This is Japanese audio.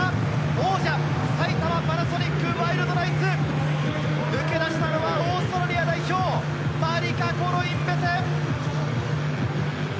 王者・埼玉パナソニックワイルドナイツ、抜け出したのはオーストラリア代表、マリカ・コロインベテ。